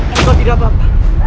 engkau tidak apa apa